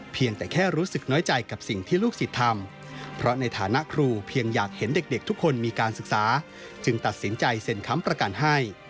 เพียงแต่แค่รู้สึกน้อยใจกับสิ่งที่ลูกศิษย์ทำเพราะในฐานะครูเพียงอยากเห็นเด็กทุกคนมีการศึกษาจึงตัดสินใจเซ็นค้ำประกันให้